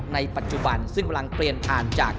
ในปัจจุบันซึ่งกำลังเปลี่ยนผ่านจาก